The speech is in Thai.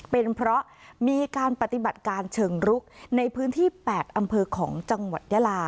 เป็นเพราะมีการปฏิบัติการเชิงรุกในพื้นที่๘อำเภอของจังหวัดยาลา